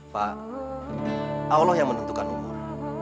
pak allah yang menentukan umur